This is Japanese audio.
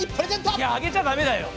いやあげちゃ駄目だよ。